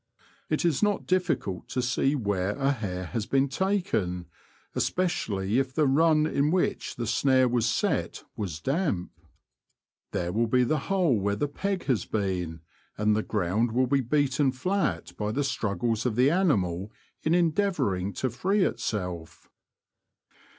It is not difficult to see where The Confessions of a Poacher, 133 a hare has been taken, especially if the run in which the snare was set was damp. There will be the hole where the peg has been, and the ground will be beaten flat by the struggles of the animal in endeavouring to free itself.